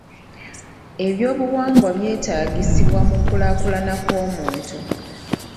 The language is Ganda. Ebyobuwangwa byetaagisibwa mu kulaakulana kw'omuntu.